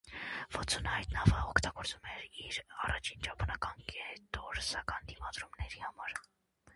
Վոթսոնը այդ նավը օգտագործում էր իր առաջին ճապոնական կետորսական դիմադրումների համար։